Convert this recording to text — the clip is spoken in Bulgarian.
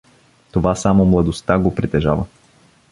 Това само младостта го притежава.